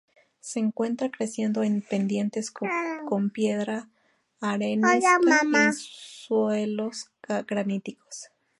Se encuentra creciendo en pendientes con piedra arenisca y suelos graníticos.